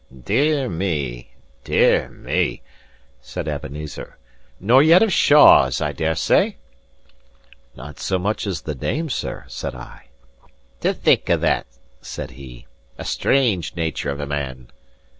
"Dear me, dear me!" said Ebenezer. "Nor yet of Shaws, I dare say?" "Not so much as the name, sir," said I. "To think o' that!" said he. "A strange nature of a man!"